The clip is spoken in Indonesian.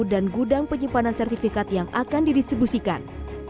dan gudang penyimpanan sertifikat yang akan didistribusikan